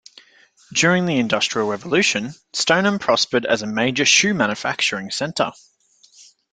During the Industrial Revolution, Stoneham prospered as a major shoe-manufacturing center.